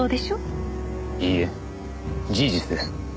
いいえ事実です。